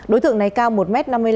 đối tượng này cao một m năm mươi năm